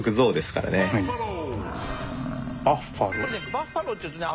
バッファローっていうとね